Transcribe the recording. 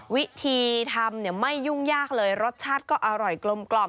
วิธีทำไม่ยุ่งยากเลยรสชาติก็อร่อยกลม